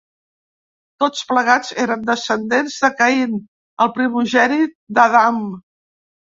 Tots plegats eren descendents de Caín, el primogènit d'Adam.